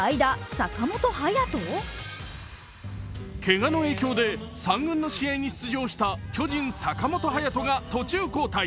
けがの影響で３軍の試合に出場した巨人・坂本勇人が途中交代。